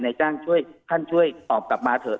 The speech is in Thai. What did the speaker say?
จ้างช่วยท่านช่วยตอบกลับมาเถอะ